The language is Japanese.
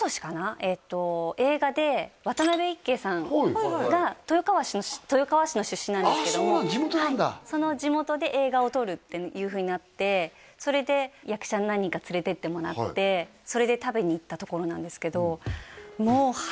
えっと映画で渡辺いっけいさんが豊川市の出身なんですけどもああそうなんだ地元なんだその地元で映画を撮るっていうふうになってそれで役者何人か連れてってもらってそれで食べに行ったところなんですけどえっ何？